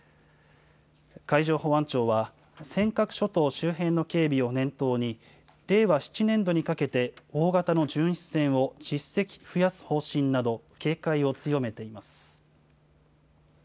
海上保安庁は、尖閣諸島周辺の警備を念頭に、令和７年度にかけて、大型の巡視船を１０隻増やす方針など、警戒を強めています。